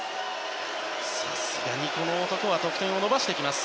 さすがにこの男は得点を伸ばしてきます。